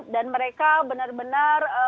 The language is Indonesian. dan mereka benar benar